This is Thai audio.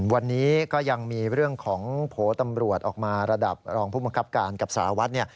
วันนี้ก็ยังมีเรื่องของโผล่ตำรวจออกมาระดับรองผู้บังคับการกับสารวัตร